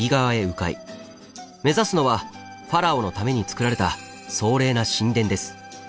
目指すのはファラオのためにつくられた壮麗な神殿です。